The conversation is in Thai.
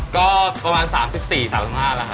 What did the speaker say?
ก็ประมาณ๓๔๓๕แล้วครับ